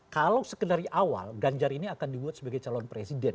kalau sekedar awal ganjar ini akan dibuat sebagai calon presiden